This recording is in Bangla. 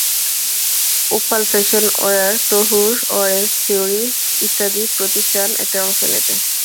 Opal Fashion Wear, Tahur, Orange Theory ইত্যাদি প্রতিষ্ঠান এতে অংশ নেবে।